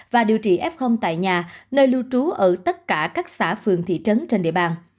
và điều trị f tại nhà nơi lưu trú ở tất cả các xã phường thị trấn trên địa bàn